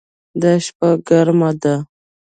دا شپه ګرمه ده